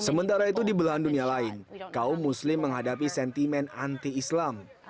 sementara itu di belahan dunia lain kaum muslim menghadapi sentimen anti islam